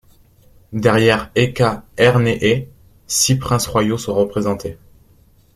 Derrière Heqa-erneheh, six princes royaux sont représentés.